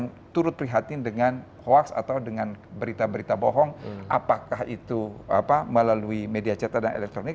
jadi saya turut prihatin dengan hoaks atau dengan berita berita bohong apakah itu melalui media cata dan elektronik